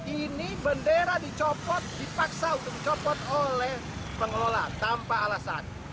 ini bendera dicopot dipaksa untuk dicopot oleh pengelola tanpa alasan